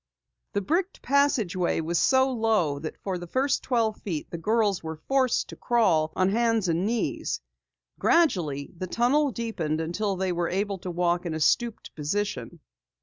The bricked passageway was so low that for the first twelve feet the girls were forced to crawl on hands and knees. Gradually, the tunnel deepened until they were able to walk in a stooped position.